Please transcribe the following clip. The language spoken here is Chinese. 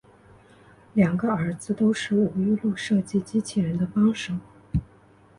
两个儿子都是吴玉禄设计机器人的帮手。